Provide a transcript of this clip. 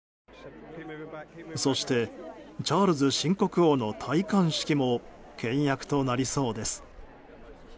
そして、チャールズ新国王の戴冠式も倹約となりそうです。